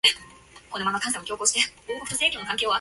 It was soon replaced by Atoka as the chief city in the area.